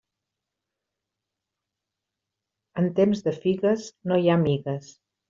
En temps de figues no hi ha amigues.